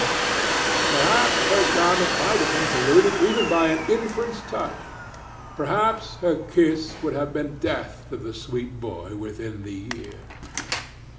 Perhaps her garment might have been polluted even by an infant's touch; perhaps her kiss would have been death to the sweet boy within the year.